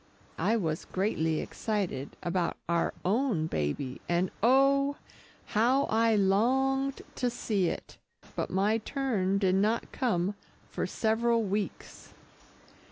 I was greatly excited about our own baby, and oh! how I longed to see it, but my turn did not come for several weeks.